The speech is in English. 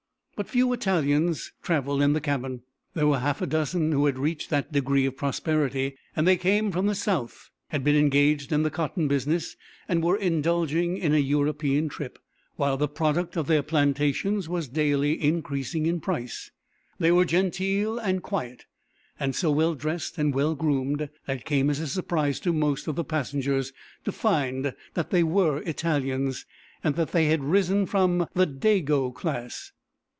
But few Italians travel in the cabin; there were half a dozen who had reached that degree of prosperity, and they came from the South, had been engaged in the cotton business and were indulging in an European trip, while the product of their plantations was daily increasing in price. They were genteel, and quiet, and so well dressed and well groomed, that it came as a surprise to most of the passengers to find that they were Italians, and that they had risen from the "Dago" class.